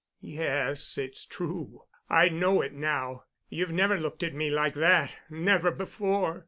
"Yes, it's true. I know it now. You've never looked at me like that—never before."